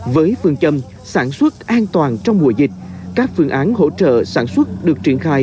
với phương châm sản xuất an toàn trong mùa dịch các phương án hỗ trợ sản xuất được triển khai